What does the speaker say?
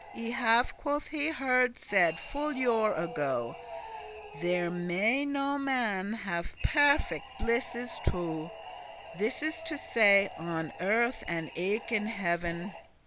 I have," quoth he, "heard said, full yore* ago, *long There may no man have perfect blisses two, This is to say, on earth and eke in heaven.